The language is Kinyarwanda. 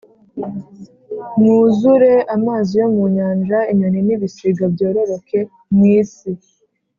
mwuzure amazi yo mu nyanja, inyoni n’ibisiga byororoke mu isi.”